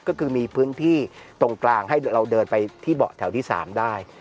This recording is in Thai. ก็คือมีพื้นที่ตรงกลางให้เราเดินไปที่เบาะแถวที่๓ได้